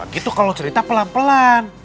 gitu kalau cerita pelan pelan